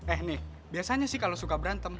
eh nih biasanya sih kalau suka berantem